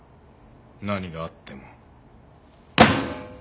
何があっても。